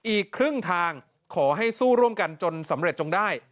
อีกครึ่งทางขอให้สู้ร่วมกันจนสำเร็จจงได้